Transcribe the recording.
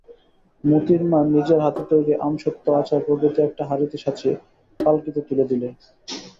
মোতির মা নিজের হাতে তৈরি আমসত্ত্ব আচার প্রভৃতি একটা হাঁড়িতে সাজিয়ে পালকিতে তুলে দিলে।